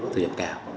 thu nhập cao